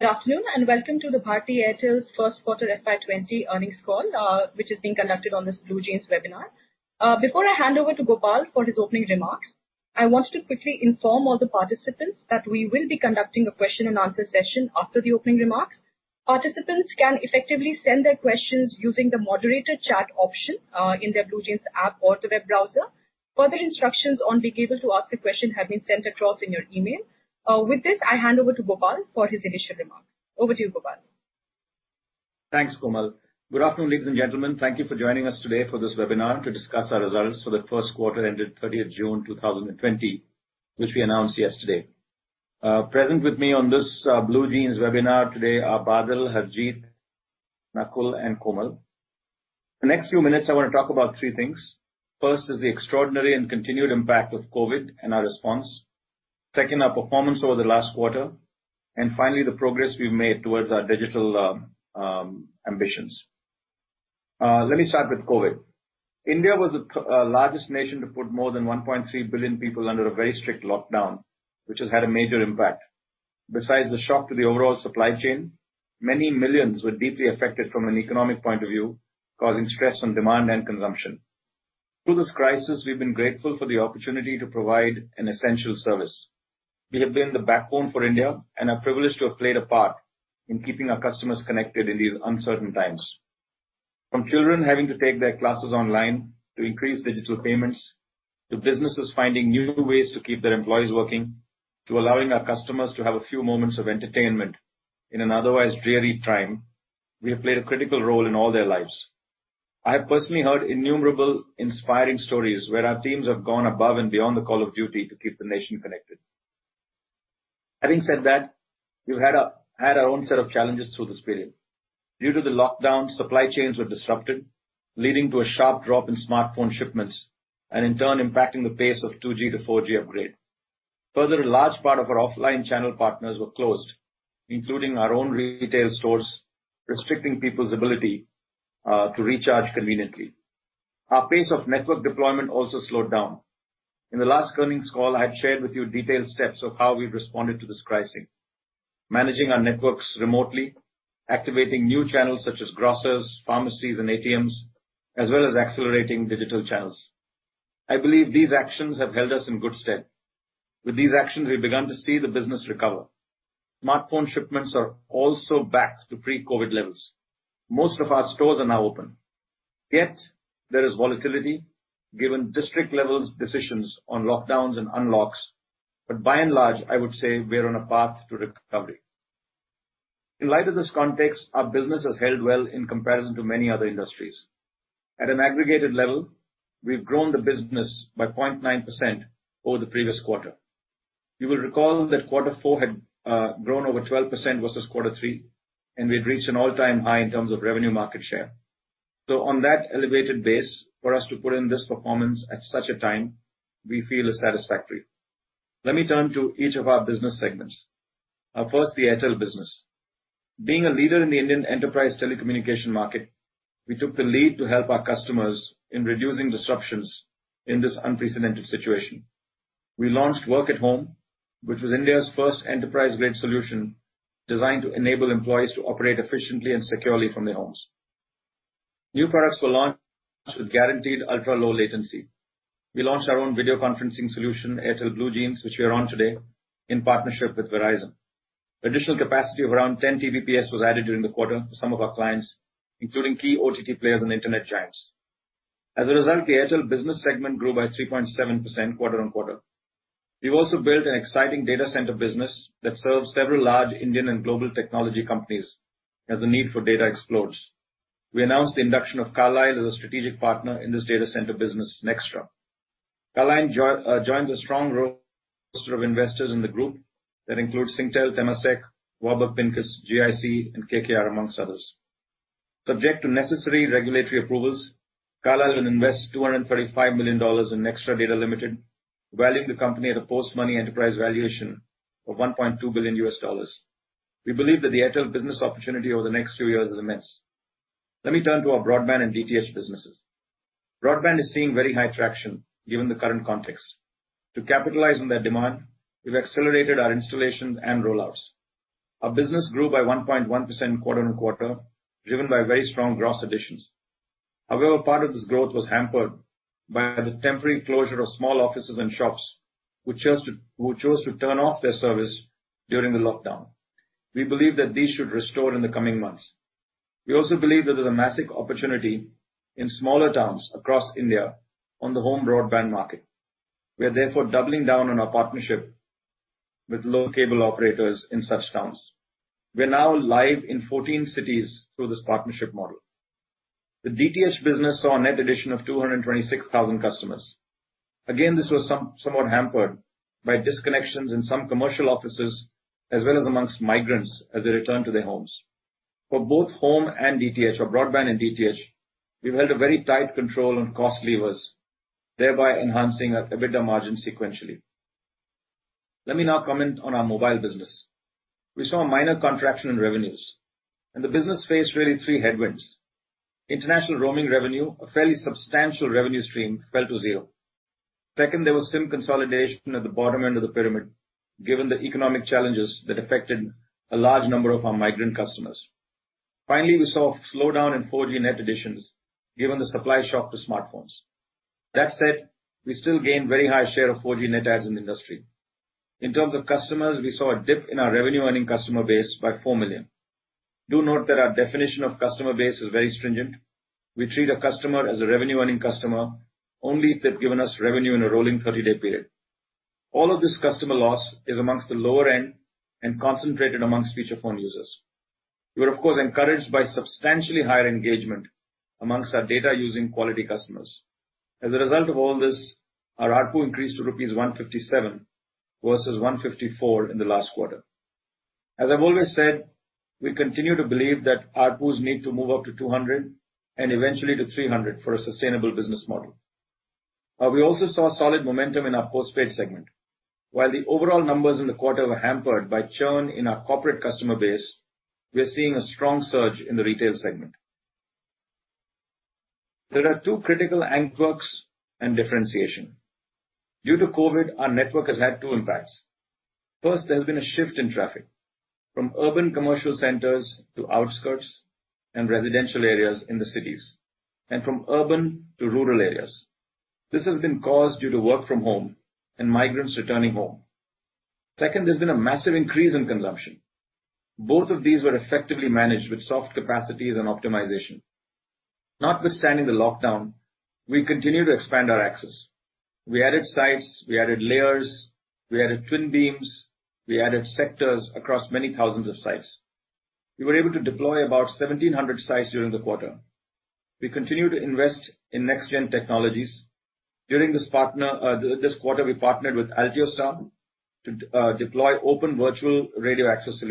Good afternoon and welcome to Bharti Airtel's first quarter FY2020 earnings call, which is being conducted on this BlueJeans webinar. Before I hand over to Gopal for his opening remarks, I wanted to quickly inform all the participants that we will be conducting a question-and-answer session after the opening remarks. Participants can effectively send their questions using the moderator chat option in their BlueJeans app or the web browser. Further instructions on being able to ask a question have been sent across in your email. With this, I hand over to Gopal for his initial remarks. Over to you, Gopal. Thanks, Komal. Good afternoon, ladies and gentlemen. Thank you for joining us today for this webinar to discuss our results for the first quarter ended 30th June 2020, which we announced yesterday. Present with me on this BlueJeans webinar today are Badal, Harjeet, Nakul, and Komal. The next few minutes, I want to talk about three things. First is the extraordinary and continued impact of COVID and our response. Second, our performance over the last quarter. Finally, the progress we have made towards our digital ambitions. Let me start with COVID. India was the largest nation to put more than 1.3 billion people under a very strict lockdown, which has had a major impact. Besides the shock to the overall supply chain, many millions were deeply affected from an economic point of view, causing stress on demand and consumption. Through this crisis, we've been grateful for the opportunity to provide an essential service. We have been the backbone for India and are privileged to have played a part in keeping our customers connected in these uncertain times. From children having to take their classes online to increased digital payments, to businesses finding new ways to keep their employees working, to allowing our customers to have a few moments of entertainment in an otherwise dreary time, we have played a critical role in all their lives. I have personally heard innumerable inspiring stories where our teams have gone above and beyond the call of duty to keep the nation connected. Having said that, we've had our own set of challenges through this period. Due to the lockdown, supply chains were disrupted, leading to a sharp drop in smartphone shipments, and in turn, impacting the pace of 2G to 4G upgrade. Further, a large part of our offline channel partners were closed, including our own retail stores, restricting people's ability to recharge conveniently. Our pace of network deployment also slowed down. In the last earnings call, I had shared with you detailed steps of how we've responded to this crisis: managing our networks remotely, activating new channels such as grocers, pharmacies, and ATMs, as well as accelerating digital channels. I believe these actions have held us in good stead. With these actions, we've begun to see the business recover. Smartphone shipments are also back to pre-COVID-19 levels. Most of our stores are now open. Yet, there is volatility given district-level decisions on lockdowns and unlocks. By and large, I would say we're on a path to recovery. In light of this context, our business has held well in comparison to many other industries. At an aggregated level, we've grown the business by 0.9% over the previous quarter. You will recall that quarter four had grown over 12% versus quarter three, and we had reached an all-time high in terms of revenue market share. On that elevated base, for us to put in this performance at such a time, we feel is satisfactory. Let me turn to each of our business segments. First, the Airtel business. Being a leader in the Indian enterprise telecommunication market, we took the lead to help our customers in reducing disruptions in this unprecedented situation. We launched Work at Home, which was India's first enterprise-grade solution designed to enable employees to operate efficiently and securely from their homes. New products were launched with guaranteed ultra-low latency. We launched our own video conferencing solution, Airtel BlueJeans, which we are on today in partnership with Verizon. Additional capacity of around 10 TBps was added during the quarter for some of our clients, including key OTT players and internet giants. As a result, the Airtel business segment grew by 3.7% quarter on quarter. We've also built an exciting data center business that serves several large Indian and global technology companies as the need for data explodes. We announced the induction of Carlyle as a strategic partner in this data center business, Nxtra. Carlyle joins a strong roster of investors in the group that includes Singtel, Temasek, Warburg Pincus, GIC, and KKR, amongst others. Subject to necessary regulatory approvals, Carlyle will invest $235 million in Nxtra Data Limited, valuing the company at a post-money enterprise valuation of $1.2 billion. We believe that the Airtel business opportunity over the next few years is immense. Let me turn to our Broadband and DTH businesses. Broadband is seeing very high traction given the current context. To capitalize on that demand, we've accelerated our installations and rollouts. Our business grew by 1.1% quarter on quarter, driven by very strong gross additions. However, part of this growth was hampered by the temporary closure of small offices and shops, which chose to turn off their service during the lockdown. We believe that these should restore in the coming months. We also believe that there's a massive opportunity in smaller towns across India on the home broadband market. We are therefore doubling down on our partnership with local cable operators in such towns. We are now live in 14 cities through this partnership model. The DTH business saw a net addition of 226,000 customers. Again, this was somewhat hampered by disconnections in some commercial offices, as well as amongst migrants as they returned to their homes. For both home and DTH, or broadband and DTH, we've held a very tight control on cost levers, thereby enhancing our EBITDA margin sequentially. Let me now comment on our mobile business. We saw a minor contraction in revenues, and the business faced really three headwinds. International roaming revenue, a fairly substantial revenue stream, fell to zero. Second, there was SIM consolidation at the bottom end of the pyramid, given the economic challenges that affected a large number of our migrant customers. Finally, we saw a slowdown in 4G net additions, given the supply shock to smartphones. That said, we still gained a very high share of 4G net adds in the industry. In terms of customers, we saw a dip in our revenue-earning customer base by 4 million. Do note that our definition of customer base is very stringent. We treat a customer as a revenue-earning customer only if they've given us revenue in a rolling 30-day period. All of this customer loss is amongst the lower end and concentrated amongst feature phone users. We were, of course, encouraged by substantially higher engagement amongst our data-using quality customers. As a result of all this, our ARPU increased to rupees 157 versus 154 in the last quarter. As I've always said, we continue to believe that ARPUs need to move up to 200 and eventually to 300 for a sustainable business model. We also saw solid momentum in our postpaid segment. While the overall numbers in the quarter were hampered by churn in our corporate customer base, we're seeing a strong surge in the retail segment. There are two critical anchors and differentiation. Due to COVID-19, our network has had two impacts. First, there has been a shift in traffic from urban commercial centers to outskirts and residential areas in the cities, and from urban to rural areas. This has been caused due to work from home and migrants returning home. Second, there's been a massive increase in consumption. Both of these were effectively managed with soft capacities and optimization. Notwithstanding the lockdown, we continue to expand our access. We added sites, we added layers, we added twin beams, we added sectors across many thousands of sites. We were able to deploy about 1,700 sites during the quarter. We continue to invest in next-gen technologies. During this quarter, we partnered with Altiostar to deploy open virtual radio access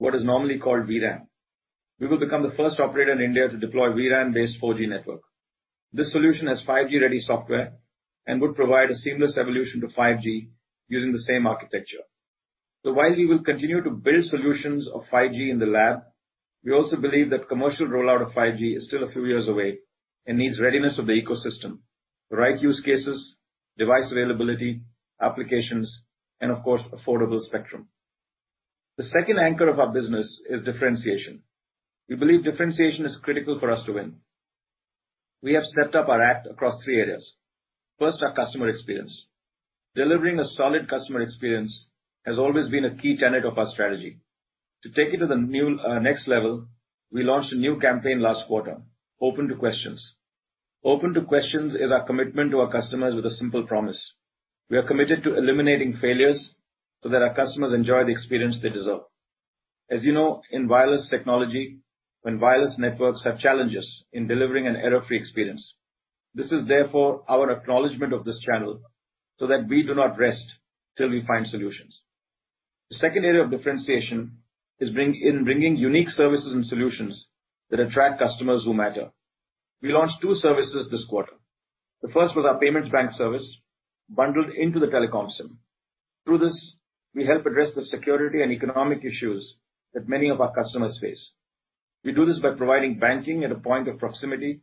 solution, what is normally called vRAN. We will become the first operator in India to deploy vRAN-based 4G network. This solution has 5G-ready software and would provide a seamless evolution to 5G using the same architecture. While we will continue to build solutions of 5G in the lab, we also believe that commercial rollout of 5G is still a few years away and needs readiness of the ecosystem: the right use cases, device availability, applications, and of course, affordable spectrum. The second anchor of our business is differentiation. We believe differentiation is critical for us to win. We have stepped up our act across three areas. First, our customer experience. Delivering a solid customer experience has always been a key tenet of our strategy. To take it to the next level, we launched a new campaign last quarter: Open to Questions. Open to Questions is our commitment to our customers with a simple promise. We are committed to eliminating failures so that our customers enjoy the experience they deserve. As you know, in wireless technology, when wireless networks have challenges in delivering an error-free experience, this is therefore our acknowledgment of this channel so that we do not rest till we find solutions. The second area of differentiation is in bringing unique services and solutions that attract customers who matter. We launched two services this quarter. The first was our Payments Bank service bundled into the telecom SIM. Through this, we help address the security and economic issues that many of our customers face. We do this by providing banking at a point of proximity,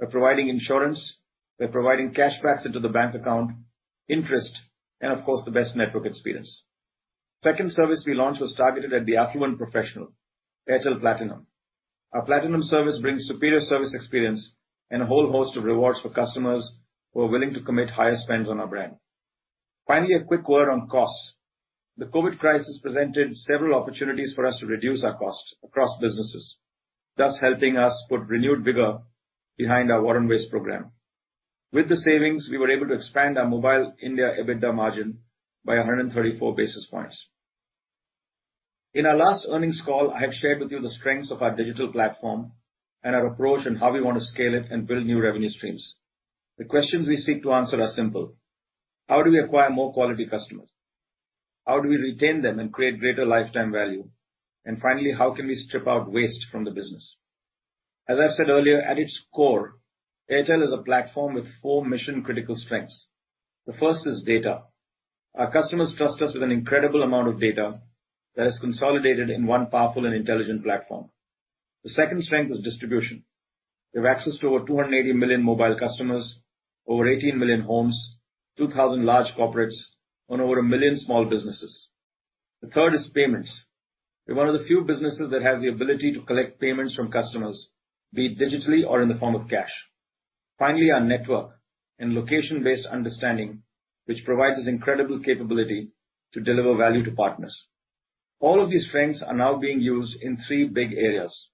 by providing insurance, by providing cash backs into the bank account, interest, and of course, the best network experience. The second service we launched was targeted at the acumen professional, Airtel Platinum. Our Platinum service brings superior service experience and a whole host of rewards for customers who are willing to commit higher spends on our brand. Finally, a quick word on costs. The COVID crisis presented several opportunities for us to reduce our costs across businesses, thus helping us put renewed vigor behind our war and waste program. With the savings, we were able to expand our Mobile India EBITDA margin by 134 basis points. In our last earnings call, I have shared with you the strengths of our digital platform and our approach and how we want to scale it and build new revenue streams. The questions we seek to answer are simple: How do we acquire more quality customers? How do we retain them and create greater lifetime value? Finally, how can we strip out waste from the business? As I've said earlier, at its core, Airtel is a platform with four mission-critical strengths. The first is data. Our customers trust us with an incredible amount of data that is consolidated in one powerful and intelligent platform. The second strength is distribution. We have access to over 280 million mobile customers, over 18 million homes, 2,000 large corporates, and over a million small businesses. The third is payments. We're one of the few businesses that has the ability to collect payments from customers, be it digitally or in the form of cash. Finally, our network and location-based understanding, which provides us incredible capability to deliver value to partners. All of these strengths are now being used in three big areas.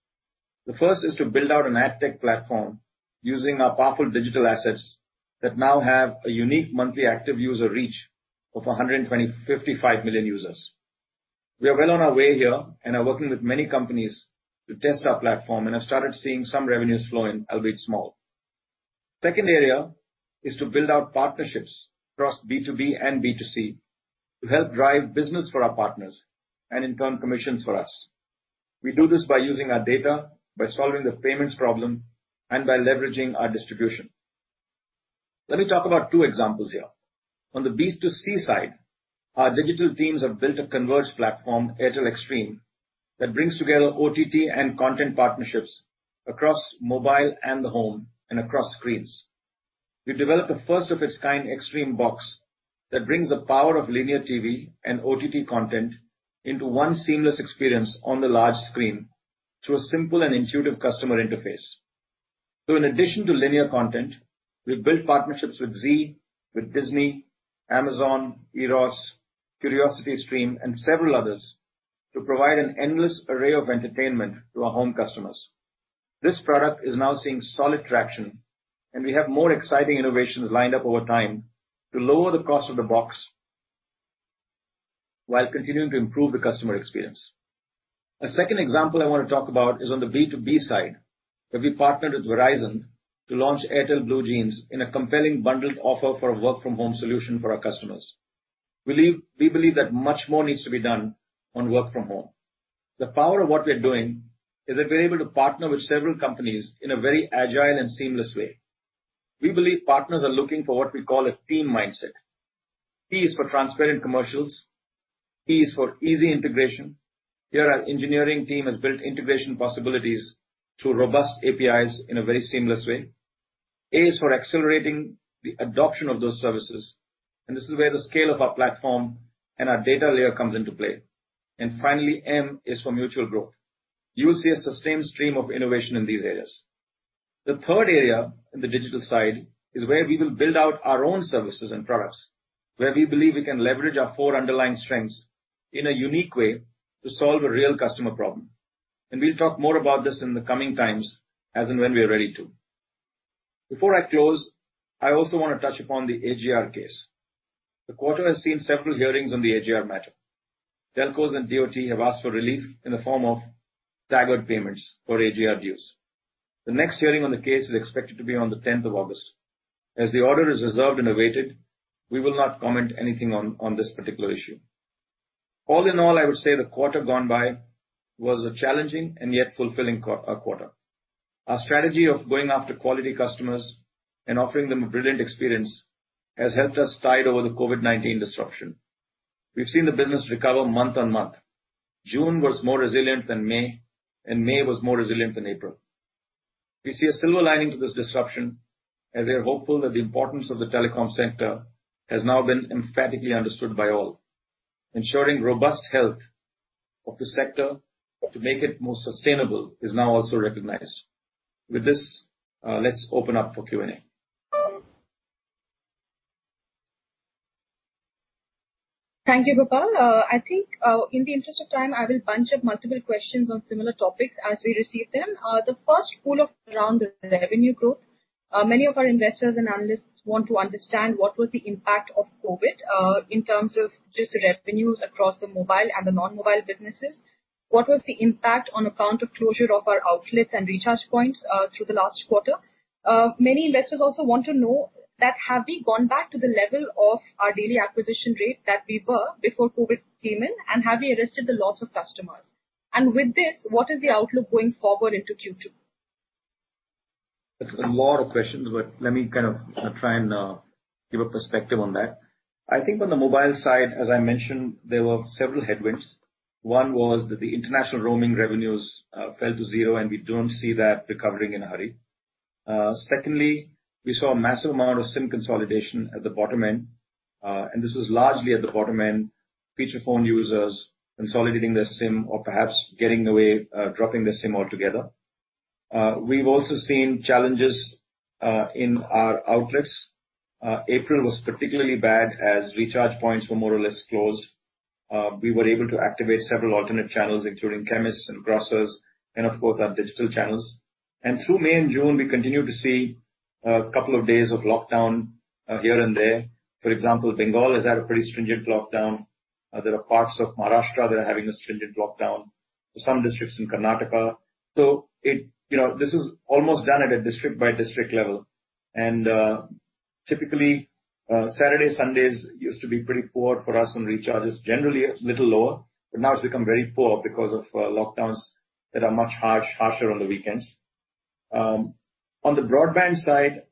The first is to build out an ad tech platform using our powerful digital assets that now have a unique monthly active user reach of 155 million users. We are well on our way here and are working with many companies to test our platform and have started seeing some revenues flowing, albeit small. The second area is to build out partnerships across B2B and B2C to help drive business for our partners and, in turn, commissions for us. We do this by using our data, by solving the payments problem, and by leveraging our distribution. Let me talk about two examples here. On the B2C side, our digital teams have built a converged platform, Airtel Xstream, that brings together OTT and content partnerships across mobile and the home and across screens. We developed a first-of-its-kind Xstream Box that brings the power of linear TV and OTT content into one seamless experience on the large screen through a simple and intuitive customer interface. In addition to linear content, we've built partnerships with Zee5, with Disney, Amazon, Eros, CuriosityStream, and several others to provide an endless array of entertainment to our home customers. This product is now seeing solid traction, and we have more exciting innovations lined up over time to lower the cost of the box while continuing to improve the customer experience. A second example I want to talk about is on the B2B side, where we partnered with Verizon to launch Airtel BlueJeans in a compelling bundled offer for a work-from-home solution for our customers. We believe that much more needs to be done on work from home. The power of what we're doing is that we're able to partner with several companies in a very agile and seamless way. We believe partners are looking for what we call a team mindset. P is for transparent commercials. E is for easy integration. Here, our engineering team has built integration possibilities through robust APIs in a very seamless way. A is for accelerating the adoption of those services, and this is where the scale of our platform and our data layer comes into play. Finally, M is for mutual growth. You will see a sustained stream of innovation in these areas. The third area in the digital side is where we will build out our own services and products, where we believe we can leverage our four underlying strengths in a unique way to solve a real customer problem. We will talk more about this in the coming times, as and when we are ready to. Before I close, I also want to touch upon the AGR case. The quarter has seen several hearings on the AGR matter. Telcos and DOT have asked for relief in the form of staggered payments for AGR dues. The next hearing on the case is expected to be on the 10th of August. As the order is reserved and awaited, we will not comment anything on this particular issue. All in all, I would say the quarter gone by was a challenging and yet fulfilling quarter. Our strategy of going after quality customers and offering them a brilliant experience has helped us tide over the COVID-19 disruption. We've seen the business recover month on month. June was more resilient than May, and May was more resilient than April. We see a silver lining to this disruption as we are hopeful that the importance of the telecom sector has now been emphatically understood by all. Ensuring robust health of the sector to make it more sustainable is now also recognized. With this, let's open up for Q&A. Thank you, Gopal. I think in the interest of time, I will bunch up multiple questions on similar topics as we receive them. The first, all around the revenue growth. Many of our investors and analysts want to understand what was the impact of COVID in terms of just revenues across the mobile and the non-mobile businesses. What was the impact on account of closure of our outlets and recharge points through the last quarter? Many investors also want to know that have we gone back to the level of our daily acquisition rate that we were before COVID came in, and have we arrested the loss of customers? With this, what is the outlook going forward into Q2? That's a lot of questions, but let me kind of try and give a perspective on that. I think on the mobile side, as I mentioned, there were several headwinds. One was that the international roaming revenues fell to zero, and we do not see that recovering in a hurry. Secondly, we saw a massive amount of SIM consolidation at the bottom end, and this is largely at the bottom end, feature phone users consolidating their SIM or perhaps getting away, dropping their SIM altogether. We have also seen challenges in our outlets. April was particularly bad as recharge points were more or less closed. We were able to activate several alternate channels, including chemist and grocers, and of course, our digital channels. Through May and June, we continued to see a couple of days of lockdown here and there. For example, Bengal is at a pretty stringent lockdown. There are parts of Maharashtra that are having a stringent lockdown, some districts in Karnataka. This is almost done at a district-by-district level. Typically, Saturdays and Sundays used to be pretty poor for us on recharges, generally a little lower, but now it has become very poor because of lockdowns that are much harsher on the weekends. On the broadband side,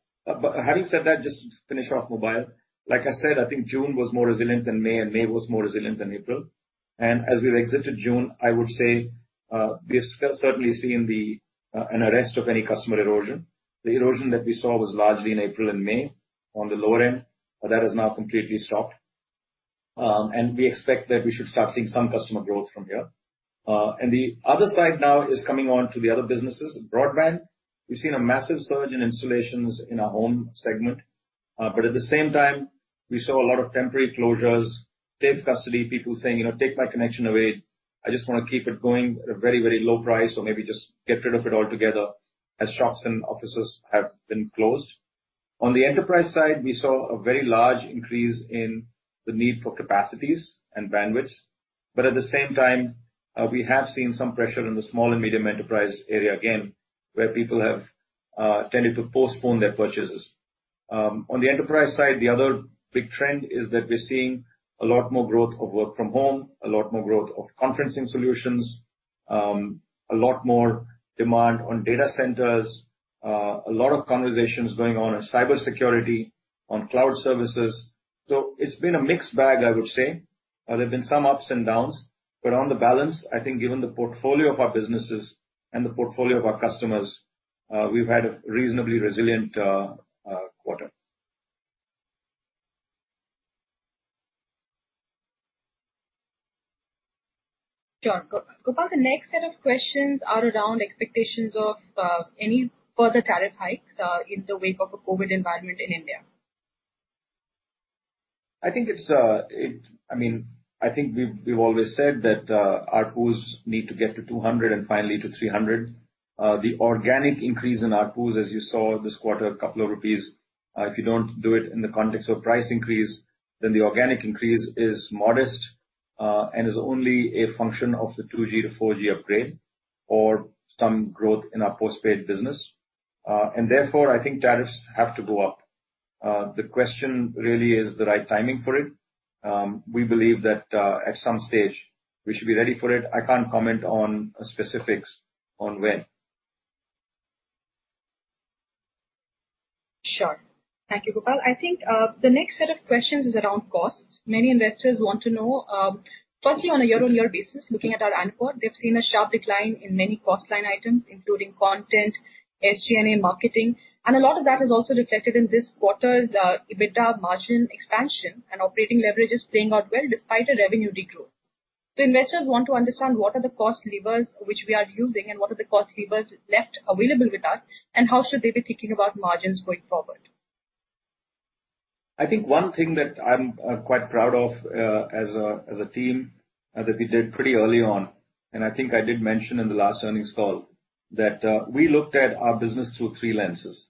having said that, just to finish off mobile, like I said, I think June was more resilient than May, and May was more resilient than April. As we have exited June, I would say we have certainly seen an arrest of any customer erosion. The erosion that we saw was largely in April and May on the lower end, but that has now completely stopped. We expect that we should start seeing some customer growth from here. The other side now is coming on to the other businesses. Broadband, we have seen a massive surge in installations in our home segment, but at the same time, we saw a lot of temporary closures, safe custody, people saying, "Take my connection away. I just want to keep it going at a very, very low price," or maybe just get rid of it altogether as shops and offices have been closed. On the enterprise side, we saw a very large increase in the need for capacities and bandwidth, but at the same time, we have seen some pressure in the small and medium enterprise area again, where people have tended to postpone their purchases. On the enterprise side, the other big trend is that we are seeing a lot more growth of work from home, a lot more growth of conferencing solutions, a lot more demand on data centers, a lot of conversations going on on cybersecurity, on cloud services. It's been a mixed bag, I would say. There have been some ups and downs, but on the balance, I think given the portfolio of our businesses and the portfolio of our customers, we've had a reasonably resilient quarter. Sure. Gopal, the next set of questions are around expectations of any further tariff hikes in the wake of a COVID-19 environment in India. I mean, I think we've always said that ARPUs need to get to 200 and finally to 300. The organic increase in ARPUs, as you saw this quarter, a couple of rupees. If you do not do it in the context of price increase, then the organic increase is modest and is only a function of the 2G to 4G upgrade or some growth in our postpaid business. Therefore, I think tariffs have to go up. The question really is the right timing for it. We believe that at some stage, we should be ready for it. I can't comment on specifics on when. Sure. Thank you, Gopal. I think the next set of questions is around costs. Many investors want to know. Firstly, on a year-on-year basis, looking at our annual report, they've seen a sharp decline in many cost line items, including content, SG&A marketing, and a lot of that is also reflected in this quarter's EBITDA margin expansion and operating leverage is playing out well despite a revenue degrowth. Investors want to understand what are the cost levers which we are using and what are the cost levers left available with us, and how should they be thinking about margins going forward? I think one thing that I'm quite proud of as a team that we did pretty early on, and I think I did mention in the last earnings call, that we looked at our business through three lenses.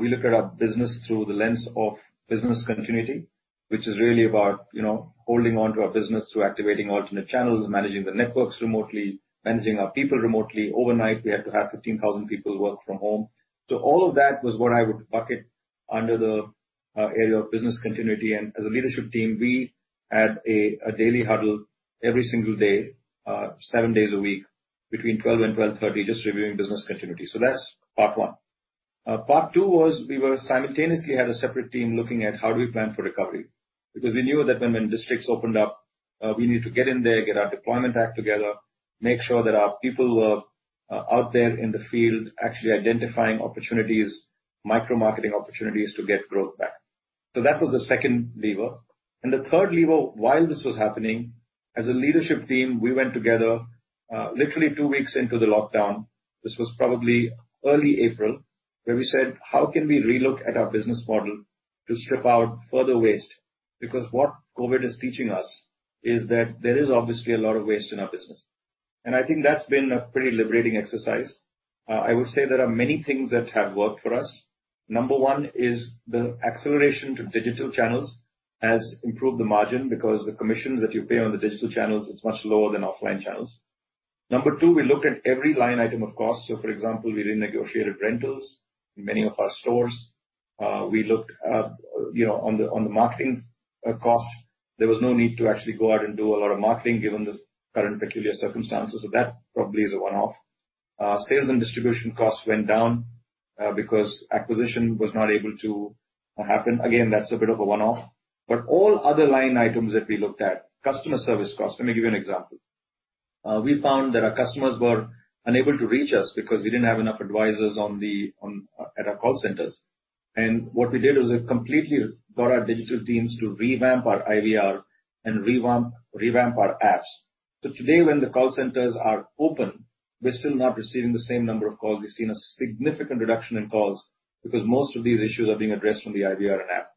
We looked at our business through the lens of business continuity, which is really about holding on to our business through activating alternate channels, managing the networks remotely, managing our people remotely. Overnight, we had to have 15,000 people work from home. All of that was what I would bucket under the area of business continuity. As a leadership team, we had a daily huddle every single day, seven days a week, between 12:00 and 12:30, just reviewing business continuity. That's part one. Part two was we simultaneously had a separate team looking at how do we plan for recovery because we knew that when districts opened up, we need to get in there, get our deployment act together, make sure that our people were out there in the field actually identifying opportunities, micro-marketing opportunities to get growth back. That was the second lever. The third lever, while this was happening, as a leadership team, we went together literally two weeks into the lockdown. This was probably early April, where we said, "How can we relook at our business model to strip out further waste?" What COVID is teaching us is that there is obviously a lot of waste in our business. I think that has been a pretty liberating exercise. I would say there are many things that have worked for us. Number one is the acceleration to digital channels has improved the margin because the commissions that you pay on the digital channels, it's much lower than offline channels. Number two, we looked at every line item of cost. For example, we renegotiated rentals in many of our stores. We looked on the marketing cost. There was no need to actually go out and do a lot of marketing given the current peculiar circumstances. That probably is a one-off. Sales and distribution costs went down because acquisition was not able to happen. Again, that's a bit of a one-off. All other line items that we looked at, customer service cost, let me give you an example. We found that our customers were unable to reach us because we didn't have enough advisors at our call centers. What we did was we completely got our digital teams to revamp our IVR and revamp our apps. Today, when the call centers are open, we're still not receiving the same number of calls. We've seen a significant reduction in calls because most of these issues are being addressed from the IVR and app.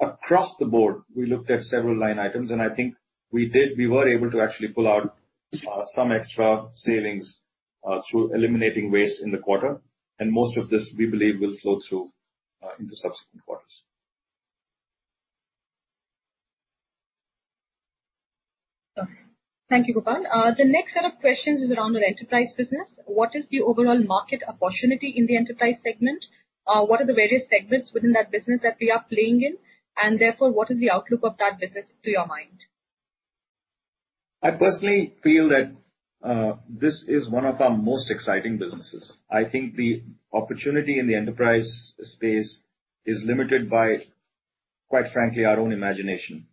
Across the board, we looked at several line items, and I think we were able to actually pull out some extra savings through eliminating waste in the quarter. Most of this, we believe, will flow through into subsequent quarters. Thank you, Gopal. The next set of questions is around an enterprise business. What is the overall market opportunity in the enterprise segment? What are the various segments within that business that we are playing in? Therefore, what is the outlook of that business to your mind? I personally feel that this is one of our most exciting businesses. I think the opportunity in the enterprise space is limited by, quite frankly, our own imagination.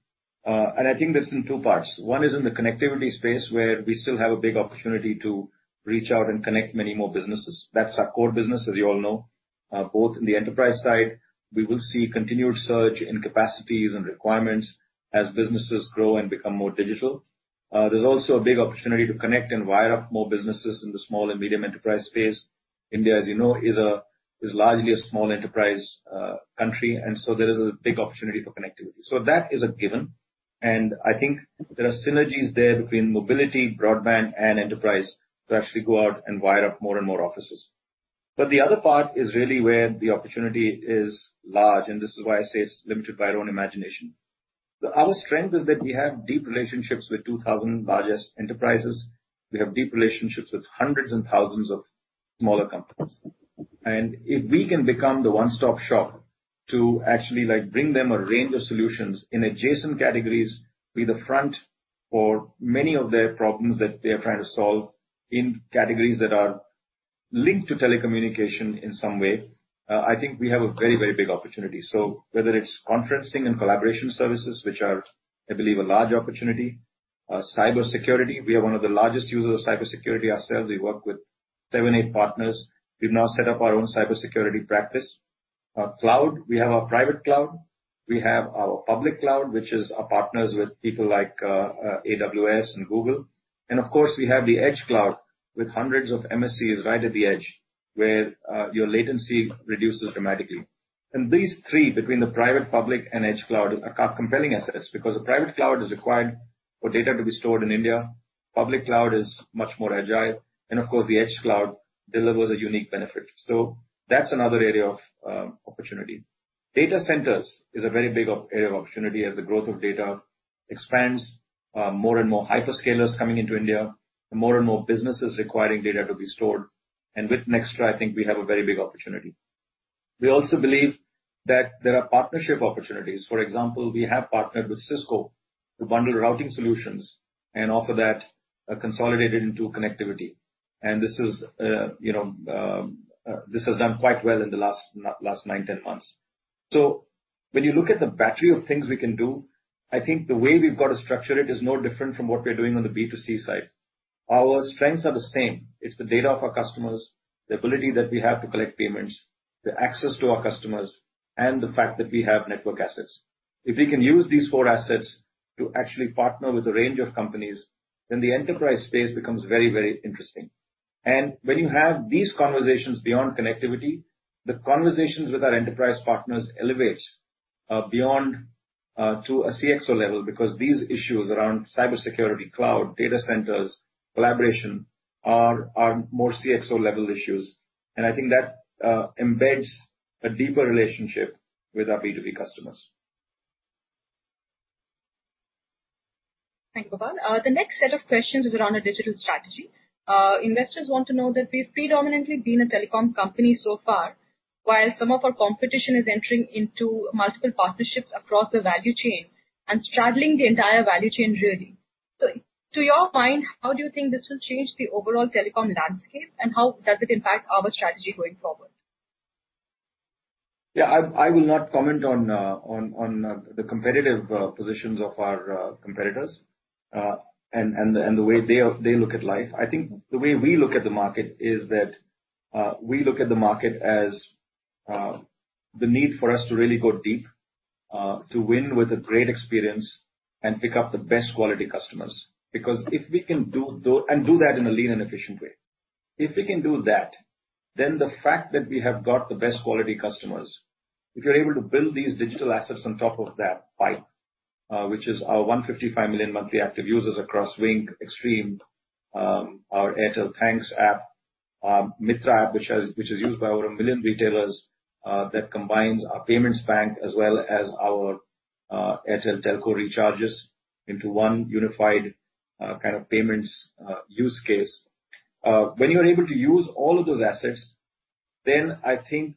I think that's in two parts. One is in the connectivity space, where we still have a big opportunity to reach out and connect many more businesses. That's our core business, as you all know. Both in the enterprise side, we will see continued surge in capacities and requirements as businesses grow and become more digital. There's also a big opportunity to connect and wire up more businesses in the small and medium enterprise space. India, as you know, is largely a small enterprise country, and there is a big opportunity for connectivity. That is a given. I think there are synergies there between mobility, broadband, and enterprise to actually go out and wire up more and more offices. The other part is really where the opportunity is large, and this is why I say it's limited by our own imagination. Our strength is that we have deep relationships with 2,000 largest enterprises. We have deep relationships with hundreds and thousands of smaller companies. If we can become the one-stop shop to actually bring them a range of solutions in adjacent categories, be the front for many of their problems that they are trying to solve in categories that are linked to telecommunication in some way, I think we have a very, very big opportunity. Whether it's conferencing and collaboration services, which are, I believe, a large opportunity, cybersecurity, we are one of the largest users of cybersecurity ourselves. We work with seven, eight partners. We've now set up our own cybersecurity practice. Cloud, we have our private cloud. We have our public cloud, which is our partners with people like AWS and Google. Of course, we have the edge cloud with hundreds of MSC right at the edge, where your latency reduces dramatically. These three, between the private, public, and edge cloud, are compelling assets because the private cloud is required for data to be stored in India. Public cloud is much more agile. Of course, the edge cloud delivers a unique benefit. That is another area of opportunity. Data centers is a very big area of opportunity as the growth of data expands, more and more hyperscalers coming into India, more and more businesses requiring data to be stored. With Nxtra, I think we have a very big opportunity. We also believe that there are partnership opportunities. For example, we have partnered with Cisco to bundle routing solutions and offer that consolidated into connectivity. This has done quite well in the last 9-10 months. When you look at the battery of things we can do, I think the way we've got to structure it is no different from what we're doing on the B2C side. Our strengths are the same. It's the data of our customers, the ability that we have to collect payments, the access to our customers, and the fact that we have network assets. If we can use these four assets to actually partner with a range of companies, then the enterprise space becomes very, very interesting. When you have these conversations beyond connectivity, the conversations with our enterprise partners elevate beyond to a CXO level because these issues around cybersecurity, cloud, data centers, collaboration are more CXO-level issues. I think that embeds a deeper relationship with our B2B customers. Thank you, Gopal. The next set of questions is around a digital strategy. Investors want to know that we've predominantly been a telecom company so far, while some of our competition is entering into multiple partnerships across the value chain and straddling the entire value chain, really. To your mind, how do you think this will change the overall telecom landscape, and how does it impact our strategy going forward? Yeah, I will not comment on the competitive positions of our competitors and the way they look at life. I think the way we look at the market is that we look at the market as the need for us to really go deep, to win with a great experience, and pick up the best quality customers. Because if we can do that in a lean and efficient way, if we can do that, then the fact that we have got the best quality customers, if you're able to build these digital assets on top of that pipe, which is our 155 million monthly active users across Wynk, Xstream, our Airtel Thanks app, our Mitra app, which is used by over a million retailers, that combines our payments bank as well as our Airtel Telco recharges into one unified kind of payments use case. When you're able to use all of those assets, then I think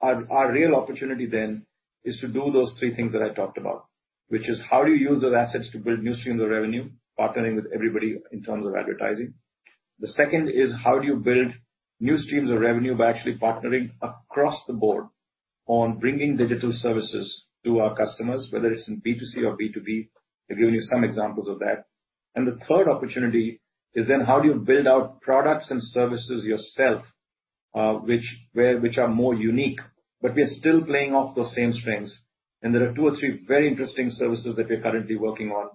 our real opportunity then is to do those three things that I talked about, which is how do you use those assets to build new streams of revenue, partnering with everybody in terms of advertising. The second is how do you build new streams of revenue by actually partnering across the board on bringing digital services to our customers, whether it's in B2C or B2B? I've given you some examples of that. The third opportunity is then how do you build out products and services yourself, which are more unique, but we are still playing off those same strengths. There are two or three very interesting services that we're currently working on,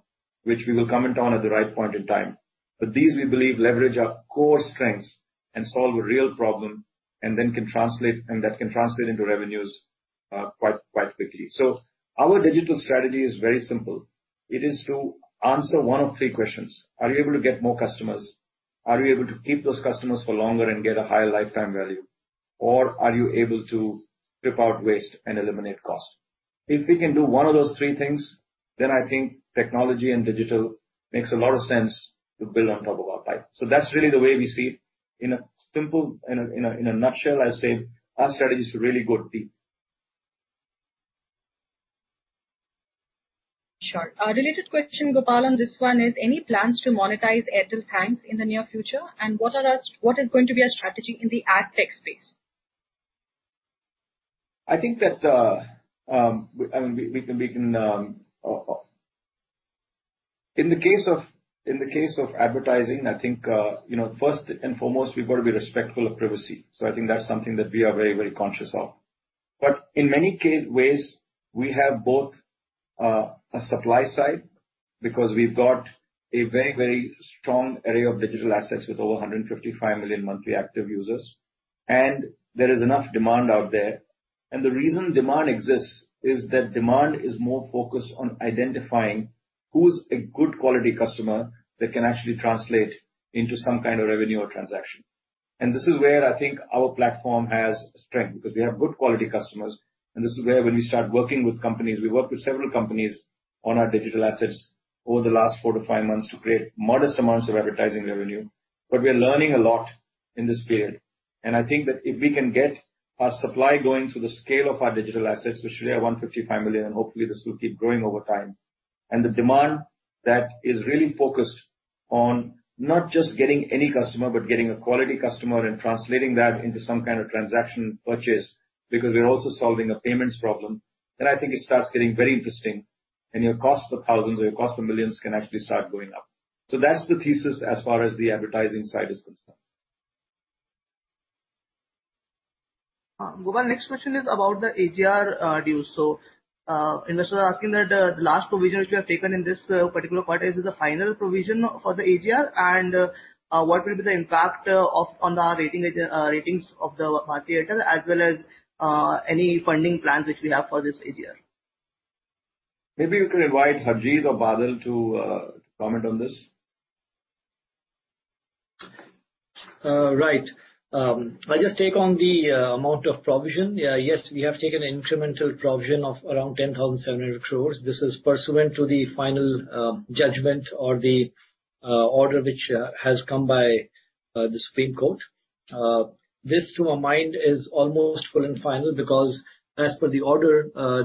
which we will comment on at the right point in time. These we believe leverage our core strengths and solve a real problem and that can translate into revenues quite quickly. Our digital strategy is very simple. It is to answer one of three questions. Are you able to get more customers? Are you able to keep those customers for longer and get a higher lifetime value? Are you able to strip out waste and eliminate cost? If we can do one of those three things, then I think technology and digital make a lot of sense to build on top of our pipe. That is really the way we see it. In a nutshell, I would say our strategy is to really go deep. Sure. A related question, Gopal, on this one is, any plans to monetize Airtel Thanks in the near future? What is going to be our strategy in the ad tech space? I think that, I mean, in the case of advertising, I think first and foremost, we have got to be respectful of privacy. I think that is something that we are very, very conscious of. In many ways, we have both a supply side because we have a very, very strong array of digital assets with over 155 million monthly active users, and there is enough demand out there. The reason demand exists is that demand is more focused on identifying who is a good quality customer that can actually translate into some kind of revenue or transaction. This is where I think our platform has strength because we have good quality customers. This is where, when we start working with companies, we work with several companies on our digital assets over the last four to five months to create modest amounts of advertising revenue. We are learning a lot in this period. I think that if we can get our supply going through the scale of our digital assets, which today are 155 million, and hopefully this will keep growing over time, and the demand that is really focused on not just getting any customer, but getting a quality customer and translating that into some kind of transaction purchase because we are also solving a payments problem, I think it starts getting very interesting, and your cost for thousands or your cost for millions can actually start going up. That is the thesis as far as the advertising side is concerned. Gopal, next question is about the AGR deal. Investors are asking that the last provision which we have taken in this particular quarter is the final provision for the AGR, and what will be the impact on the ratings of the market as well as any funding plans which we have for this AGR? Maybe we can invite Harjeet or Badal to comment on this. Right. I'll just take on the amount of provision. Yes, we have taken an incremental provision of around 10,700 crore. This is pursuant to the final judgment or the order which has come by the Supreme Court. This, to my mind, is almost full and final because as per the order,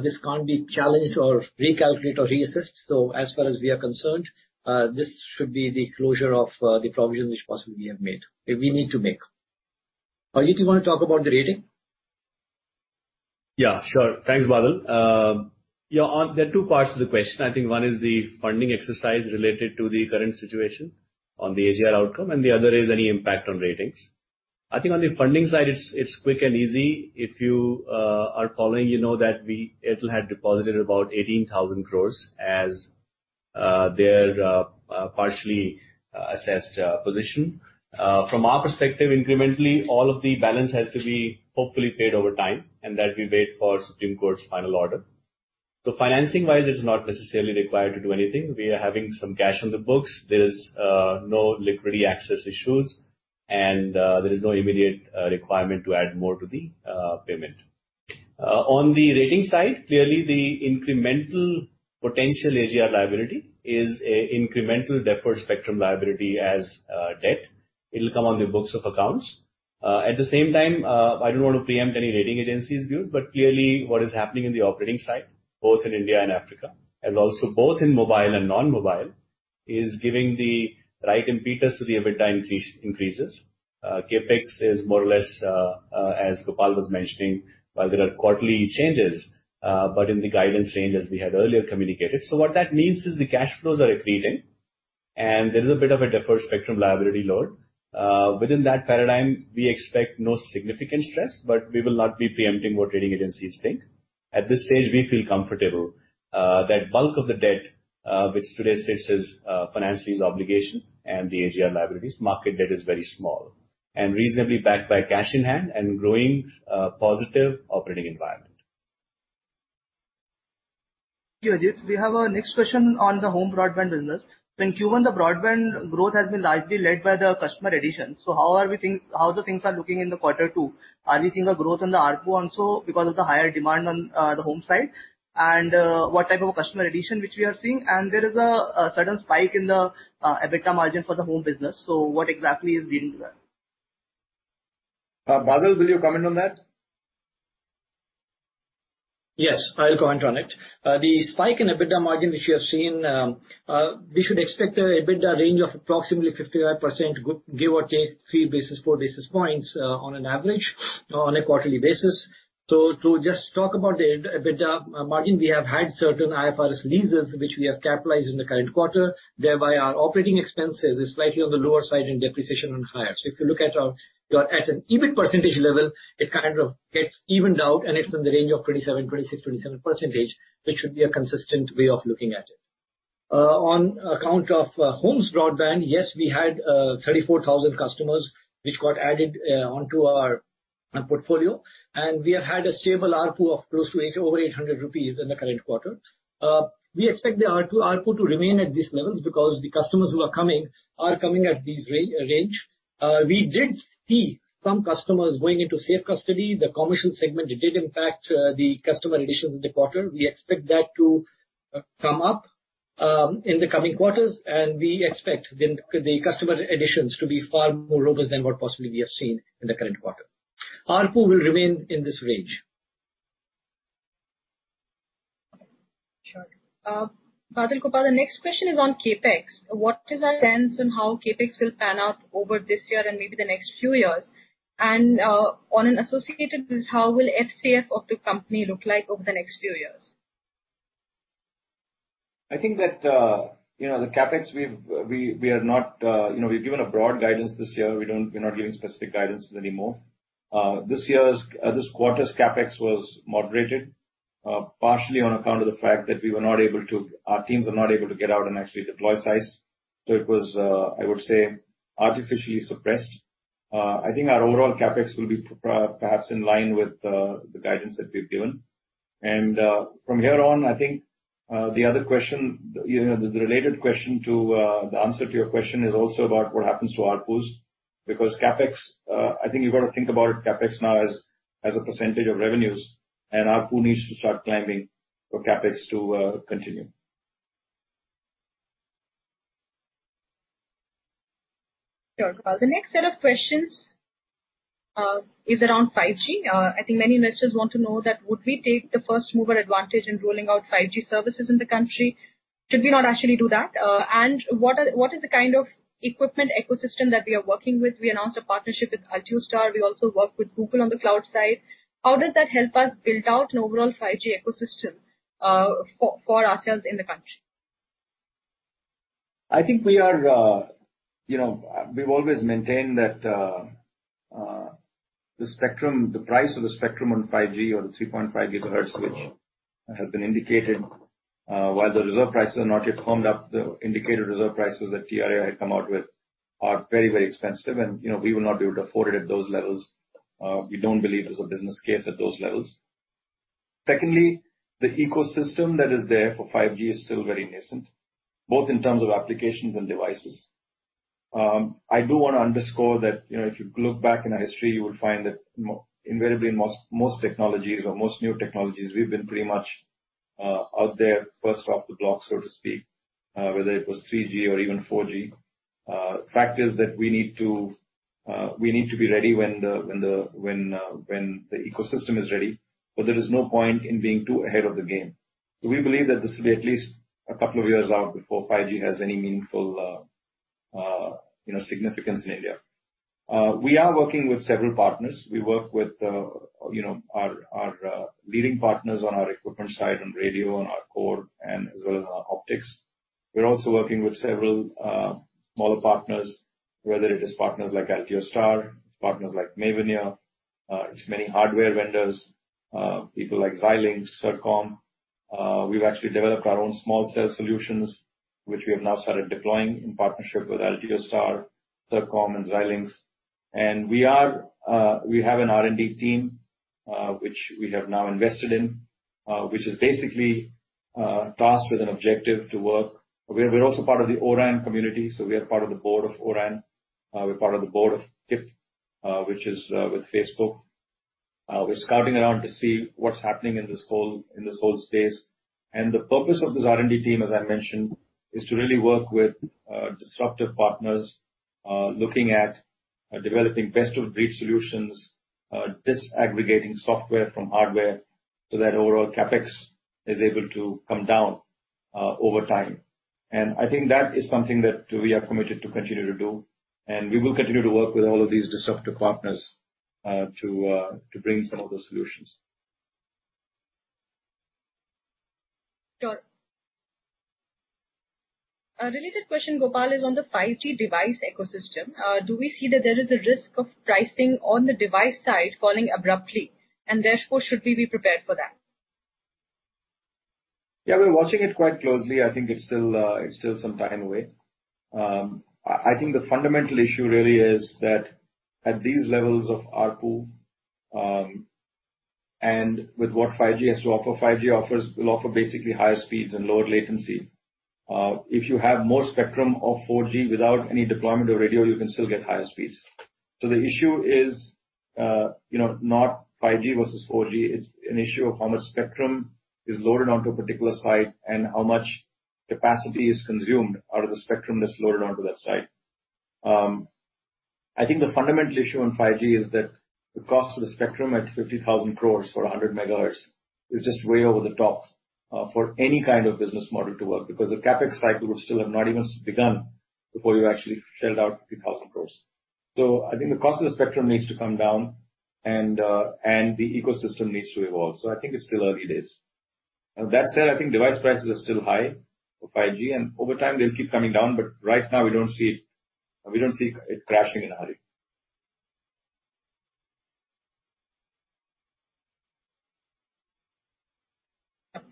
this can't be challenged or recalculated or reassessed. As far as we are concerned, this should be the closure of the provision which possibly we have made, we need to make. Harjeet, you want to talk about the rating? Yeah, sure. Thanks, Badal. There are two parts to the question. I think one is the funding exercise related to the current situation on the AGR outcome, and the other is any impact on ratings. I think on the funding side, it's quick and easy. If you are following, you know that Airtel had deposited about 18,000 crores as their partially assessed position. From our perspective, incrementally, all of the balance has to be hopefully paid over time, and that we wait for Supreme Court's final order. Financing-wise, it's not necessarily required to do anything. We are having some cash on the books. There are no liquidity access issues, and there is no immediate requirement to add more to the payment. On the rating side, clearly, the incremental potential AGR liability is an incremental deferred spectrum liability as debt. It'll come on the books of accounts. At the same time, I don't want to preempt any rating agencies' views, but clearly, what is happening in the operating side, both in India and Africa, as also both in mobile and non-mobile, is giving the right impetus to the EBITDA increases. CapEx is more or less, as Gopal was mentioning, while there are quarterly changes, but in the guidance range as we had earlier communicated. What that means is the cash flows are accreting, and there is a bit of a deferred spectrum liability load. Within that paradigm, we expect no significant stress, but we will not be preempting what rating agencies think. At this stage, we feel comfortable that bulk of the debt, which today sits as financially its obligation and the AGR liabilities, market debt is very small and reasonably backed by cash in hand and growing positive operating environment. Harjeet, we have a next question on the home broadband business. When Q1, the broadband growth has been largely led by the customer addition. How are the things looking in the quarter two? Are we seeing a growth on the ARPU also because of the higher demand on the home side? What type of a customer addition are we seeing? There is a sudden spike in the EBITDA margin for the home business. What exactly is leading to that? Badal, will you comment on that? Yes, I'll comment on it. The spike in EBITDA margin which we have seen, we should expect an EBITDA range of approximately 55%, give or take three basis, four basis points on an average on a quarterly basis. To just talk about the EBITDA margin, we have had certain IFRS leases which we have capitalized in the current quarter, thereby our operating expenses are slightly on the lower side and depreciation on higher. If you look at your EBIT percentage level, it kind of gets evened out, and it's in the range of 26%-27%, which should be a consistent way of looking at it. On account of home's broadband, yes, we had 34,000 customers which got added onto our portfolio, and we have had a stable ARPU of close to over 800 rupees in the current quarter. We expect the ARPU to remain at these levels because the customers who are coming are coming at this range. We did see some customers going into safe custody. The commercial segment did impact the customer additions in the quarter. We expect that to come up in the coming quarters, and we expect the customer additions to be far more robust than what possibly we have seen in the current quarter. ARPU will remain in this range. Sure. Badal, Gopal, the next question is on CapEx. What is our sense on how CapEx will pan out over this year and maybe the next few years? And on an associated with this, how will FCF of the company look like over the next few years? I think that the CapEx, we are not we've given a broad guidance this year. We're not giving specific guidance anymore. This quarter's CapEx was moderated partially on account of the fact that we were not able to our teams are not able to get out and actually deploy sites. It was, I would say, artificially suppressed. I think our overall CapEx will be perhaps in line with the guidance that we've given. From here on, I think the other question, the related question to the answer to your question is also about what happens to ARPUs because CapEx, I think you've got to think about CapEx now as a percentage of revenues, and ARPU needs to start climbing for CapEx to continue. Sure. Gopal, the next set of questions is around 5G. I think many investors want to know that would we take the first mover advantage in rolling out 5G services in the country? Should we not actually do that? What is the kind of equipment ecosystem that we are working with? We announced a partnership with Altiostar. We also work with Google on the cloud side. How does that help us build out an overall 5G ecosystem for ourselves in the country? I think we are, we've always maintained that the spectrum, the price of the spectrum on 5G or the 3.5 GHz, which has been indicated, while the reserve prices are not yet firmed up, the indicated reserve prices that TRAI had come out with are very, very expensive, and we will not be able to afford it at those levels. We don't believe there's a business case at those levels. Secondly, the ecosystem that is there for 5G is still very nascent, both in terms of applications and devices. I do want to underscore that if you look back in our history, you will find that invariably in most technologies or most new technologies, we've been pretty much out there first off the block, so to speak, whether it was 3G or even 4G. The fact is that we need to be ready when the ecosystem is ready, but there is no point in being too ahead of the game. We believe that this will be at least a couple of years out before 5G has any meaningful significance in India. We are working with several partners. We work with our leading partners on our equipment side, on radio, on our core, and as well as on our optics. We are also working with several smaller partners, whether it is partners like Altiostar, partners like Mavenir, many hardware vendors, people like Xilinx, Circom. We have actually developed our own small cell solutions, which we have now started deploying in partnership with Altiostar, Circom, and Xilinx. We have an R&D team which we have now invested in, which is basically tasked with an objective to work. We're also part of the O-RAN community, so we are part of the board of O-RAN. We're part of the board of TIP, which is with Facebook. We're scouting around to see what's happening in this whole space. The purpose of this R&D team, as I mentioned, is to really work with disruptive partners looking at developing best-of-breed solutions, disaggregating software from hardware so that overall CapEx is able to come down over time. I think that is something that we are committed to continue to do, and we will continue to work with all of these disruptive partners to bring some of those solutions. Sure. A related question, Gopal, is on the 5G device ecosystem. Do we see that there is a risk of pricing on the device side falling abruptly, and therefore should we be prepared for that? Yeah, we're watching it quite closely. I think it's still some time away. I think the fundamental issue really is that at these levels of ARPU and with what 5G has to offer, 5G offers will offer basically higher speeds and lower latency. If you have more spectrum of 4G without any deployment of radio, you can still get higher speeds. The issue is not 5G versus 4G. It's an issue of how much spectrum is loaded onto a particular site and how much capacity is consumed out of the spectrum that's loaded onto that site. I think the fundamental issue in 5G is that the cost of the spectrum at 50,000 crores for 100 MHz is just way over the top for any kind of business model to work because the CAPEX cycle would still have not even begun before you actually shelled out 50,000 crores. I think the cost of the spectrum needs to come down, and the ecosystem needs to evolve. I think it's still early days. That said, I think device prices are still high for 5G, and over time, they'll keep coming down, but right now, we don't see it crashing in a hurry.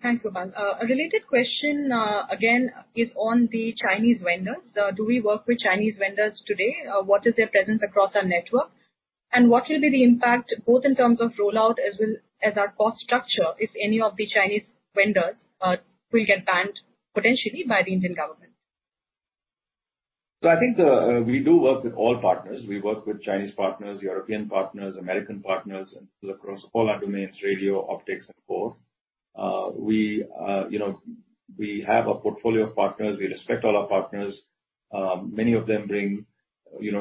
Thanks, Gopal. A related question again is on the Chinese vendors. Do we work with Chinese vendors today? What is their presence across our network? What will be the impact both in terms of rollout as well as our cost structure if any of the Chinese vendors will get banned potentially by the Indian government? I think we do work with all partners. We work with Chinese partners, European partners, American partners, and across all our domains, radio, optics, and core. We have a portfolio of partners. We respect all our partners. Many of them bring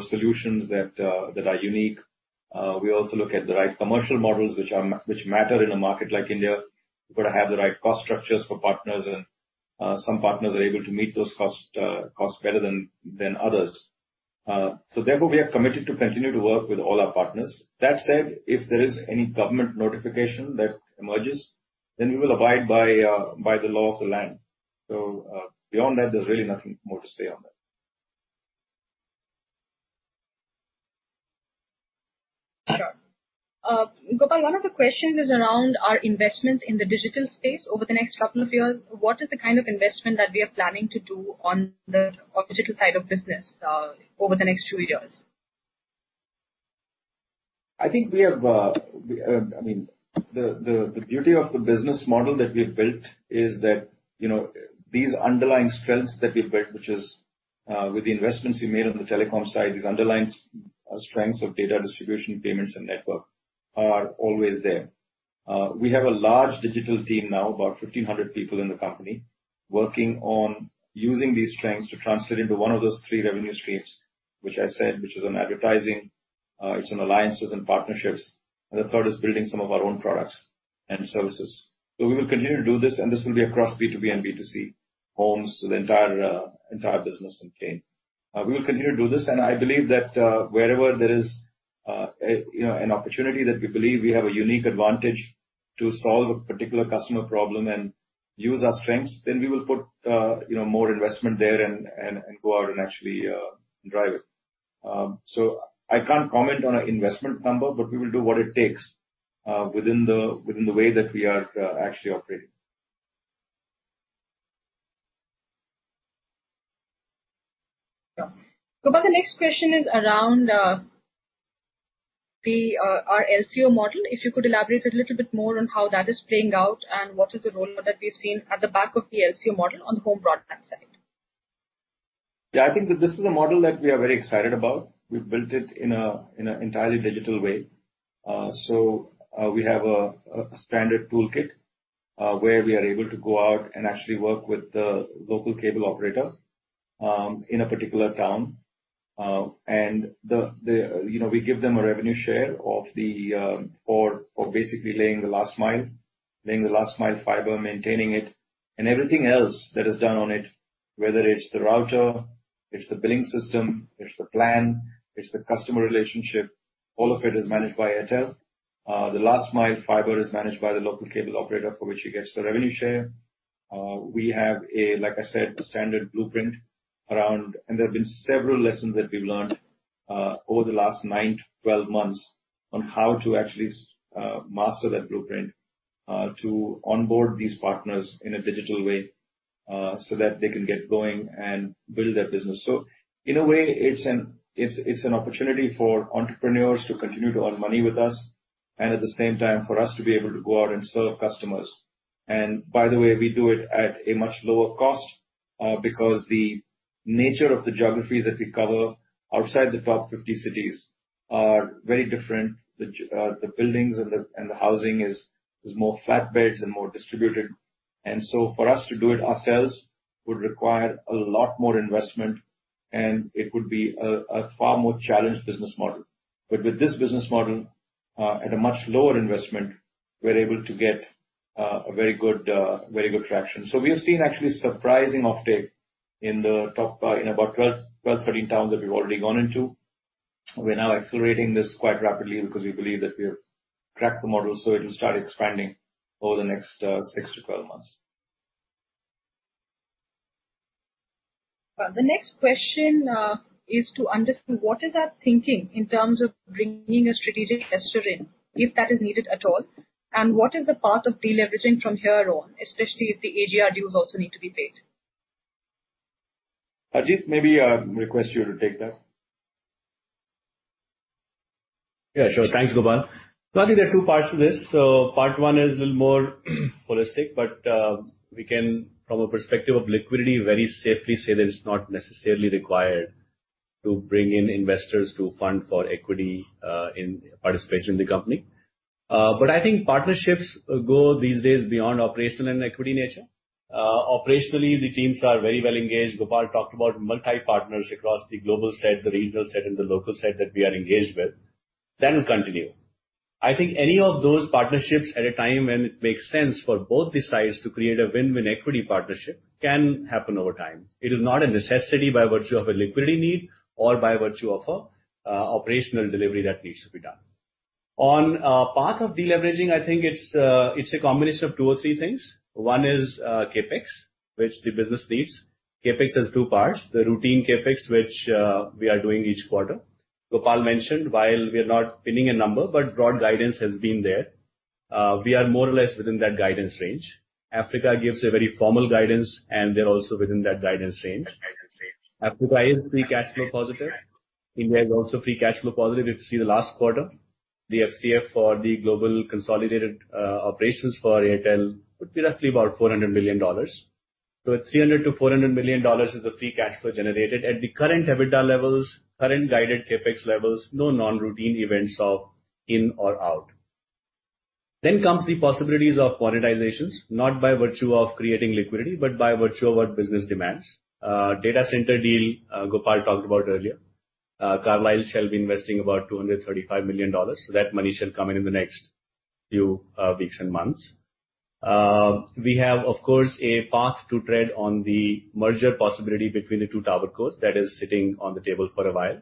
solutions that are unique. We also look at the right commercial models which matter in a market like India. We have got to have the right cost structures for partners, and some partners are able to meet those costs better than others. Therefore, we are committed to continue to work with all our partners. That said, if there is any government notification that emerges, then we will abide by the law of the land. Beyond that, there is really nothing more to say on that. Sure. Gopal, one of the questions is around our investments in the digital space over the next couple of years. What is the kind of investment that we are planning to do on the digital side of business over the next few years? I think we have, I mean, the beauty of the business model that we have built is that these underlying strengths that we've built, which is with the investments we made on the telecom side, these underlying strengths of data distribution, payments, and network are always there. We have a large digital team now, about 1,500 people in the company, working on using these strengths to translate into one of those three revenue streams, which I said, which is on advertising, it's on alliances and partnerships, and the third is building some of our own products and services. We will continue to do this, and this will be across B2B and B2C, homes, the entire business and chain. We will continue to do this, and I believe that wherever there is an opportunity that we believe we have a unique advantage to solve a particular customer problem and use our strengths, then we will put more investment there and go out and actually drive it. I cannot comment on an investment number, but we will do what it takes within the way that we are actually operating. Gopal, the next question is around our LCO model. If you could elaborate a little bit more on how that is playing out and what is the role that we have seen at the back of the LCO model on the home broadband side? Yeah, I think that this is a model that we are very excited about. We have built it in an entirely digital way. We have a standard toolkit where we are able to go out and actually work with the local cable operator in a particular town, and we give them a revenue share for basically laying the last mile, laying the last mile fiber, maintaining it, and everything else that is done on it, whether it's the router, it's the billing system, it's the plan, it's the customer relationship, all of it is managed by Airtel. The last mile fiber is managed by the local cable operator for which he gets the revenue share. We have, like I said, a standard blueprint around, and there have been several lessons that we've learned over the last 9-12 months on how to actually master that blueprint to onboard these partners in a digital way so that they can get going and build their business. In a way, it's an opportunity for entrepreneurs to continue to earn money with us and at the same time for us to be able to go out and serve customers. By the way, we do it at a much lower cost because the nature of the geographies that we cover outside the top 50 cities are very different. The buildings and the housing are more flatbeds and more distributed. For us to do it ourselves would require a lot more investment, and it would be a far more challenged business model. With this business model at a much lower investment, we're able to get very good traction. We have seen actually surprising offtake in about 12-13 towns that we've already gone into. We're now accelerating this quite rapidly because we believe that we have cracked the model, so it will start expanding over the next 6-12 months. The next question is to understand what is our thinking in terms of bringing a strategic investor in if that is needed at all, and what is the path of deleveraging from here on, especially if the AGR dues also need to be paid? Harjeet, maybe I'll request you to take that. Yeah, sure. Thanks, Gopal. I think there are two parts to this. Part one is a little more holistic, but we can, from a perspective of liquidity, very safely say that it's not necessarily required to bring in investors to fund for equity participation in the company. I think partnerships go these days beyond operational and equity nature. Operationally, the teams are very well engaged. Gopal talked about multi-partners across the global set, the regional set, and the local set that we are engaged with. That will continue. I think any of those partnerships at a time when it makes sense for both the sides to create a win-win equity partnership can happen over time. It is not a necessity by virtue of a liquidity need or by virtue of an operational delivery that needs to be done. On the path of deleveraging, I think it's a combination of two or three things. One is CapEx, which the business needs. CapEx has two parts: the routine CapEx, which we are doing each quarter. Gopal mentioned, while we are not pinning a number, but broad guidance has been there. We are more or less within that guidance range. Africa gives a very formal guidance, and they're also within that guidance range. Africa is free cash flow positive. India is also free cash flow positive. If you see the last quarter, the FCF for the global consolidated operations for Airtel would be roughly about $400 million. $300-$400 million is the free cash flow generated at the current EBITDA levels, current guided CapEx levels, no non-routine events of in or out. There come the possibilities of monetizations, not by virtue of creating liquidity, but by virtue of what business demands. Data center deal Gopal talked about earlier. Carlyle shall be investing about $235 million. That money shall come in in the next few weeks and months. We have, of course, a path to tread on the merger possibility between the two tower cores that is sitting on the table for a while.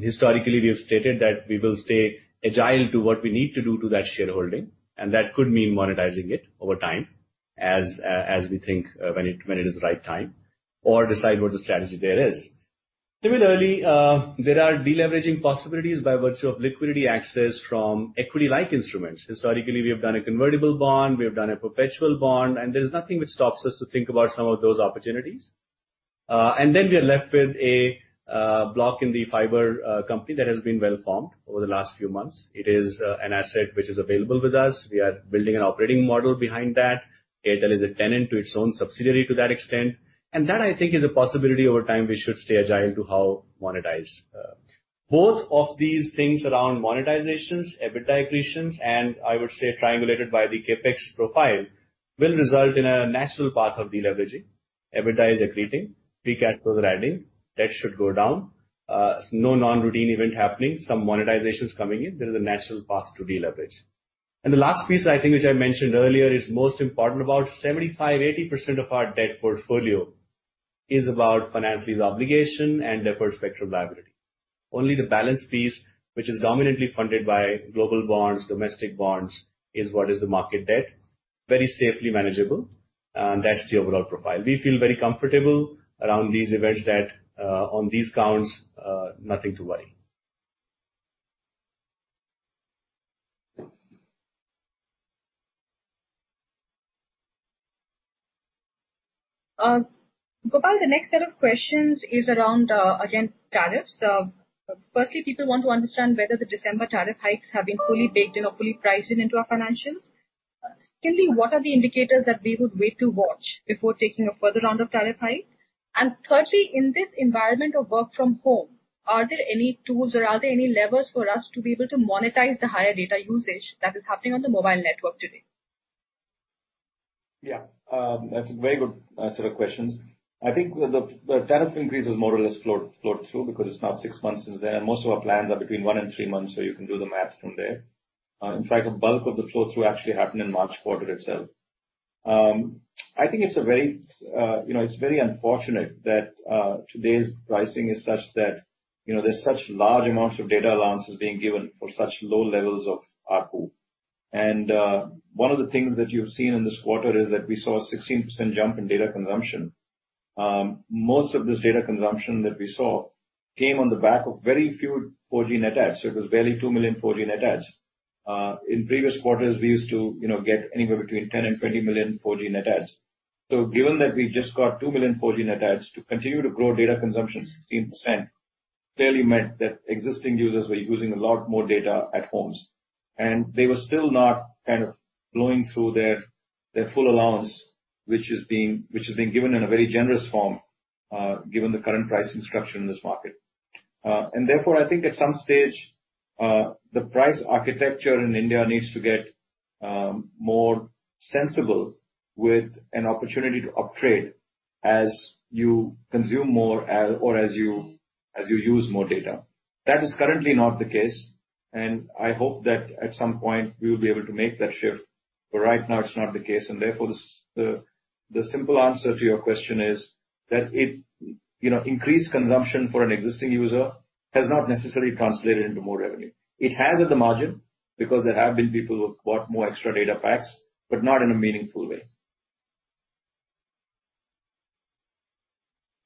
Historically, we have stated that we will stay agile to what we need to do to that shareholding, and that could mean monetizing it over time as we think when it is the right time or decide what the strategy there is. Similarly, there are deleveraging possibilities by virtue of liquidity access from equity-like instruments. Historically, we have done a convertible bond. We have done a perpetual bond, and there is nothing which stops us to think about some of those opportunities. We are left with a block in the fiber company that has been well formed over the last few months. It is an asset which is available with us. We are building an operating model behind that. Airtel is a tenant to its own subsidiary to that extent. That, I think, is a possibility over time we should stay agile to how monetized. Both of these things around monetizations, EBITDA accretions, and I would say triangulated by the CapEx profile will result in a natural path of deleveraging. EBITDA is accreting. Free cash flows are adding. Debt should go down. No non-routine event happening. Some monetizations coming in. There is a natural path to deleverage. The last piece, I think, which I mentioned earlier is most important. About 75-80% of our debt portfolio is about financial obligation and deferred spectrum liability. Only the balance piece, which is dominantly funded by global bonds, domestic bonds, is what is the market debt. Very safely manageable. That is the overall profile. We feel very comfortable around these events that on these counts, nothing to worry. Gopal, the next set of questions is around, again, tariffs. Firstly, people want to understand whether the December tariff hikes have been fully baked in or fully priced into our financials. Secondly, what are the indicators that we would wait to watch before taking a further round of tariff hike? Thirdly, in this environment of work from home, are there any tools or are there any levers for us to be able to monetize the higher data usage that is happening on the mobile network today? Yeah, that's a very good set of questions. I think the tariff increase has more or less flowed through because it's now six months since then, and most of our plans are between one and three months, so you can do the math from there. In fact, a bulk of the flow-through actually happened in March quarter itself. I think it's very unfortunate that today's pricing is such that there's such large amounts of data allowances being given for such low levels of ARPU. One of the things that you've seen in this quarter is that we saw a 16% jump in data consumption. Most of this data consumption that we saw came on the back of very few 4G net adds. It was barely 2 million 4G net adds. In previous quarters, we used to get anywhere between 10-20 million 4G net adds. Given that we just got 2 million 4G net adds, to continue to grow data consumption 16% clearly meant that existing users were using a lot more data at homes, and they were still not kind of blowing through their full allowance, which is being given in a very generous form given the current pricing structure in this market. Therefore, I think at some stage, the price architecture in India needs to get more sensible with an opportunity to uptrade as you consume more or as you use more data. That is currently not the case, and I hope that at some point we will be able to make that shift, but right now it's not the case. Therefore, the simple answer to your question is that increased consumption for an existing user has not necessarily translated into more revenue. It has at the margin because there have been people who have bought more extra data packs, but not in a meaningful way.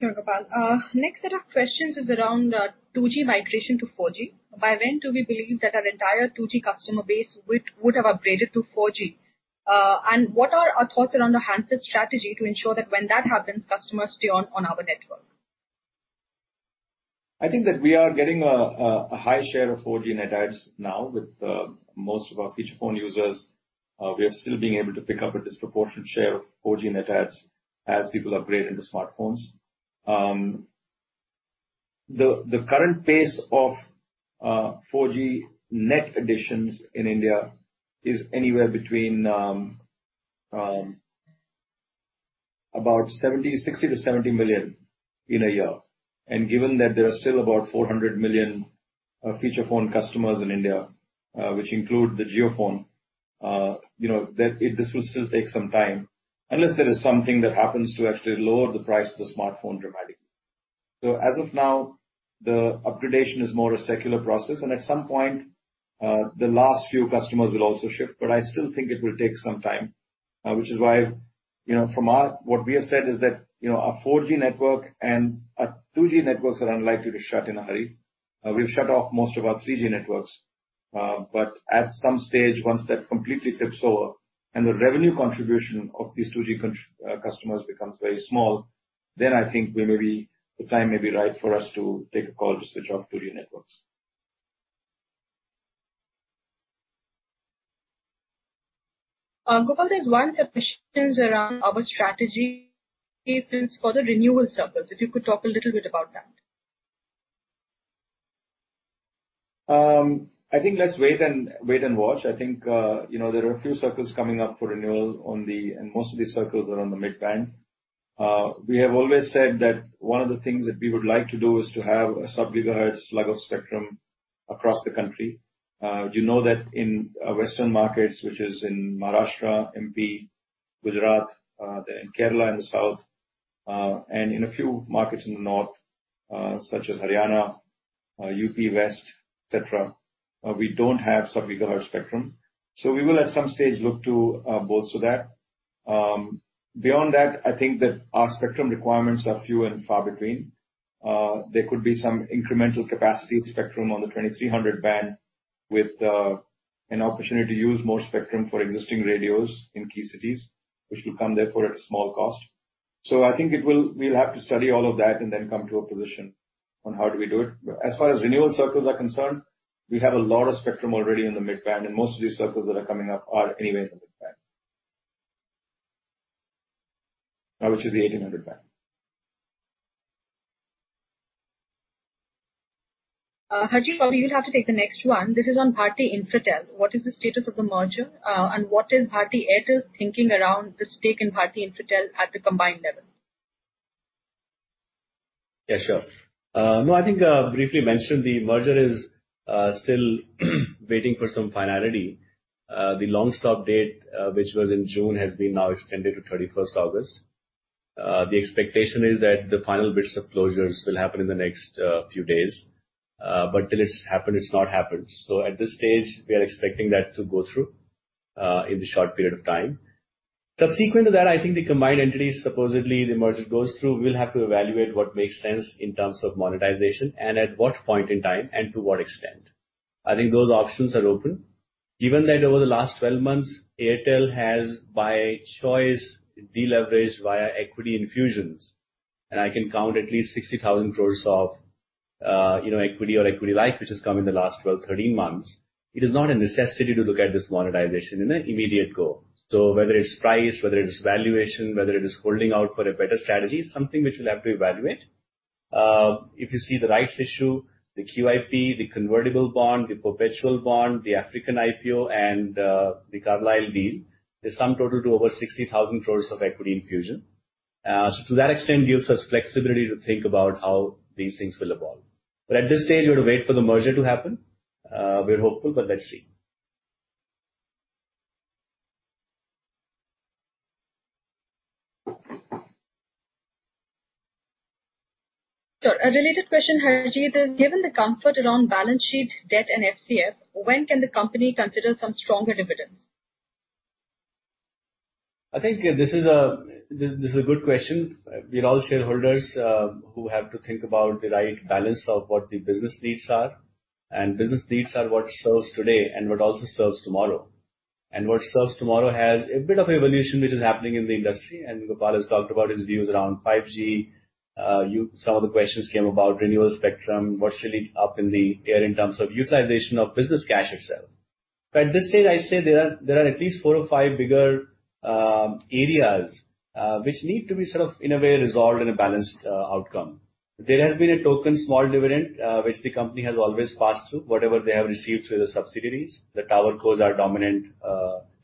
Thank you, Gopal. Next set of questions is around 2G migration to 4G. By when do we believe that our entire 2G customer base would have upgraded to 4G? What are our thoughts around a handset strategy to ensure that when that happens, customers stay on our network? I think that we are getting a high share of 4G net adds now with most of our feature phone users. We are still being able to pick up a disproportionate share of 4G net adds as people upgrade into smartphones. The current pace of 4G net additions in India is anywhere between 60-70 million in a year. Given that there are still about 400 million feature phone customers in India, which include the geophone, this will still take some time unless there is something that happens to actually lower the price of the smartphone dramatically. As of now, the upgradation is more a secular process, and at some point, the last few customers will also shift, but I still think it will take some time, which is why from what we have said is that a 4G network and a 2G network are unlikely to shut in a hurry. We've shut off most of our 3G networks, but at some stage, once that completely tips over and the revenue contribution of these 2G customers becomes very small, then I think the time may be right for us to take a call to switch off 2G networks. Gopal, there's one set of questions around our strategies for the renewal circles. If you could talk a little bit about that. I think let's wait and watch. I think there are a few circles coming up for renewal on the, and most of these circles are on the midband. We have always said that one of the things that we would like to do is to have a sub-Gigahertz lag of spectrum across the country. You know that in Western markets, which is in Maharashtra, Madhya Pradesh, Gujarat, Kerala in the south, and in a few markets in the north, such as Haryana, Uttar Pradesh West, etc., we do not have sub-Gigahertz spectrum. We will at some stage look to bolster that. Beyond that, I think that our spectrum requirements are few and far between. There could be some incremental capacity spectrum on the 2300 band with an opportunity to use more spectrum for existing radios in key cities, which will come therefore at a small cost. I think we'll have to study all of that and then come to a position on how do we do it. As far as renewal circles are concerned, we have a lot of spectrum already in the midband, and most of these circles that are coming up are anywhere in the midband, which is the 1800 band. Harjeet, probably you would have to take the next one. This is on Bharti Infratel. What is the status of the merger and what is Bharti Airtel's thinking around the stake in Bharti Infratel at the combined level? Yeah, sure. No, I think I briefly mentioned the merger is still waiting for some finality. The long stop date, which was in June, has been now extended to 31st August. The expectation is that the final bits of closures will happen in the next few days, but till it's happened, it's not happened. At this stage, we are expecting that to go through in the short period of time. Subsequent to that, I think the combined entities, supposedly the merger goes through, we'll have to evaluate what makes sense in terms of monetization and at what point in time and to what extent. I think those options are open. Given that over the last 12 months, Airtel has by choice deleveraged via equity infusions, and I can count at least 60,000 crore of equity or equity-like, which has come in the last 12-13 months, it is not a necessity to look at this monetization in an immediate go. Whether it's price, whether it's valuation, whether it is holding out for a better strategy is something which we'll have to evaluate. If you see the rights issue, the QIP, the convertible bond, the perpetual bond, the African IPO, and the Carlyle deal, there's some total to over 60,000 crores of equity infusion. To that extent, it gives us flexibility to think about how these things will evolve. At this stage, we'll wait for the merger to happen. We're hopeful, let's see. Sure. A related question, Harjeet. Given the comfort around balance sheet, debt, and FCF, when can the company consider some stronger dividends? I think this is a good question. We're all shareholders who have to think about the right balance of what the business needs are. Business needs are what serves today and what also serves tomorrow. What serves tomorrow has a bit of evolution which is happening in the industry. Gopal has talked about his views around 5G. Some of the questions came about renewal spectrum, what's really up in the air in terms of utilization of business cash itself. At this stage, I'd say there are at least four or five bigger areas which need to be sort of, in a way, resolved in a balanced outcome. There has been a token small dividend which the company has always passed through, whatever they have received through the subsidiaries. The tower cores are dominant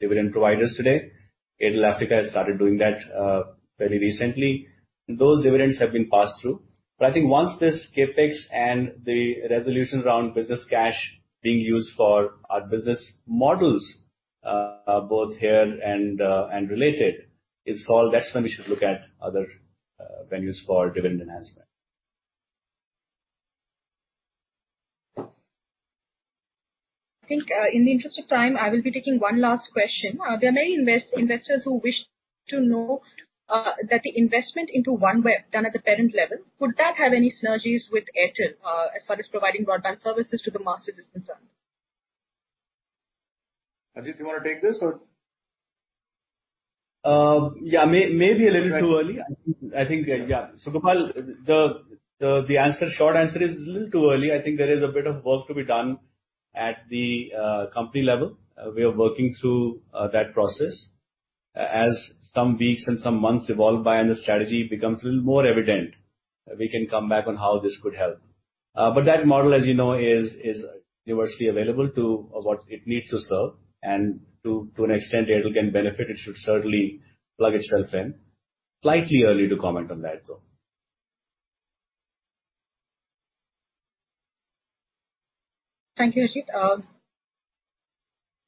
dividend providers today. Airtel Africa has started doing that fairly recently. Those dividends have been passed through. I think once this CapEx and the resolution around business cash being used for our business models, both here and related, it's all that's when we should look at other venues for dividend enhancement. I think in the interest of time, I will be taking one last question. There are many investors who wish to know that the investment into OneWeb done at the parent level, could that have any synergies with Airtel as far as providing broadband services to the masses is concerned? Harjeet, do you want to take this or? Yeah, maybe a little too early. I think, yeah. So Gopal, the short answer is a little too early. I think there is a bit of work to be done at the company level. We are working through that process. As some weeks and some months evolve by and the strategy becomes a little more evident, we can come back on how this could help. That model, as you know, is universally available to what it needs to serve. To an extent, Airtel can benefit. It should certainly plug itself in. Slightly early to comment on that, though. Thank you, Harjeet.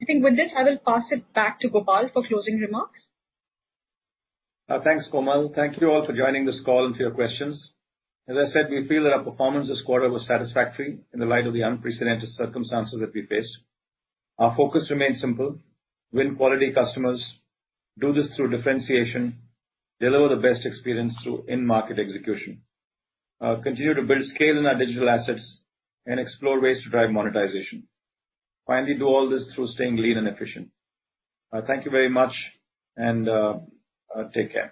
I think with this, I will pass it back to Gopal for closing remarks. Thanks, Komal. Thank you all for joining this call and for your questions. As I said, we feel that our performance this quarter was satisfactory in the light of the unprecedented circumstances that we faced. Our focus remained simple: win quality customers, do this through differentiation, deliver the best experience through in-market execution, continue to build scale in our digital assets, and explore ways to drive monetization. Finally, do all this through staying lean and efficient. Thank you very much, and take care.